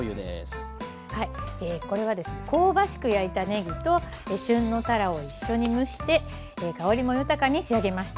香ばしく焼いたねぎと旬のたらを一緒に蒸して香りも豊かに仕上げました。